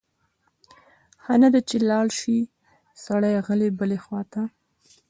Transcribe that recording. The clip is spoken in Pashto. ښه نه ده چې لاړ شی سړی غلی بلې خواته؟